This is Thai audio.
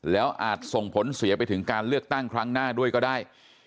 แล้วอาจส่งผลเสียไปถึงการเลือกตั้งครั้งหน้าด้วยก็ได้